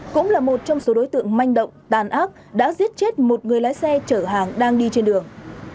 cũng là một trong số đối tượng manh động tàn ác đã giết chết một người lái xe chở hàng đang đi trên đường